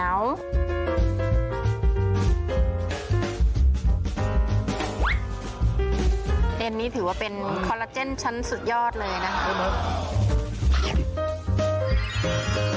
เอ็นนี่ถือว่าเป็นคอลลาเจนชั้นสุดยอดเลยนะโอ้โฮ